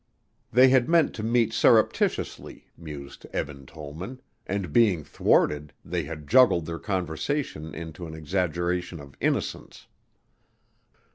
They had meant to meet surreptitiously, mused Eben Tollman, and being thwarted, they had juggled their conversation into an exaggeration of innocence.